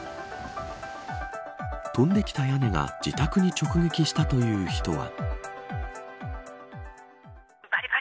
飛んできた屋根が自宅に直撃したという人は。